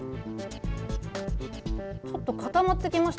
ちょっと固まってきました。